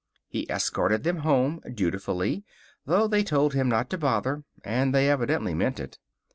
He escorted them home, dutifully, though they told him not to bother, and they evidently meant it.